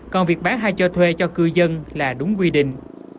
còn việc bán hay cho thuê cho cư dân là đúng quy định